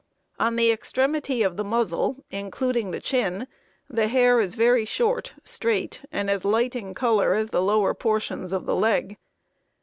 On the extremity of the muzzle, including the chin, the hair is very short, straight, and as light in color as the lower portions of the leg.